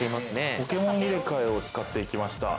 ポケモンいれかえを使っていきました。